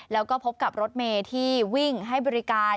แล้วก็พบกับรถเมย์ที่วิ่งให้บริการ